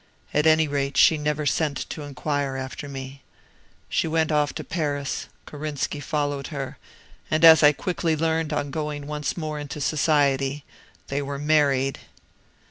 At any rate, she never sent to inquire after me. She went off to Paris; Korinski followed her; and as I quickly learned on going once more into society they were married!